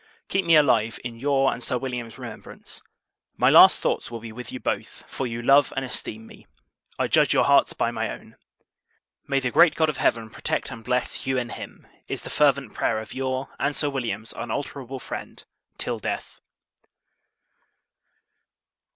Keep me alive, in your and Sir William's remembrance. My last thoughts will be with you both, for you love and esteem me. I judge your hearts by my own. May the Great God of Heaven protect and bless you and him! is the fervent prayer of your and Sir William's unalterable friend, till death.